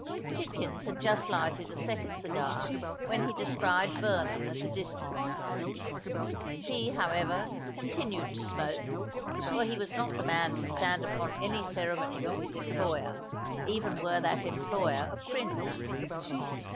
Tidkins had just lighted a second cigar, when he descried Vernon at a distance. He, however, continued to smoke—for he was not the man to stand upon any ceremony with his employer, even were that employer a prince.